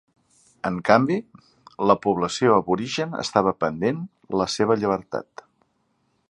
En canvi, la població aborigen estava perdent la seva llibertat.